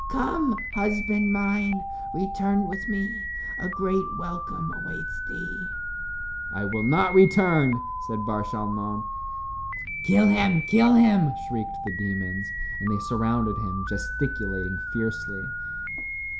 Come, husband mine, return with me; a great welcome awaits thee." "I will not return," said Bar Shalmon. "Kill him, kill him," shrieked the demons, and they surrounded him, gesticulating fiercely.